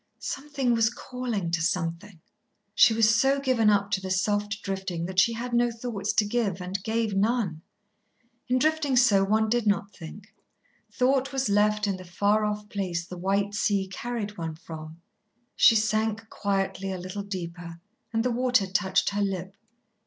Something was calling to Something. She was so given up to the soft drifting that she had no thoughts to give, and gave none. In drifting so, one did not think thought was left in the far off place the white sea carried one from. She sank quietly a little deeper and the water touched her lip.